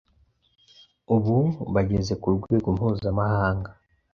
ubu bageze ku rwego mpuzamahanga.